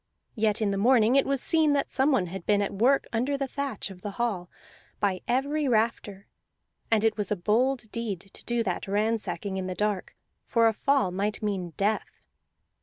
Yet in the morning it was seen that someone had been at work under the thatch of the hall, by every rafter; and it was a bold deed to do that ransacking in the dark, for a fall might mean death.